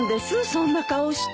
そんな顔して。